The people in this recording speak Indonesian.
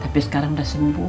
tapi sekarang udah sembuh